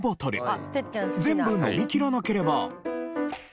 全部飲みきらなければ。